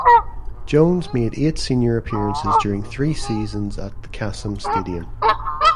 Jones made eight senior appearances during three seasons at the Kassam Stadium.